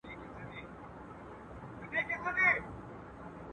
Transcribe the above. مستي خاموشه کیسې سړې دي !.